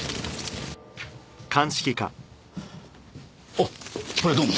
あっこりゃどうも。